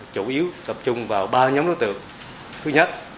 chủ yếu tập trung vào ba nhóm đối tượng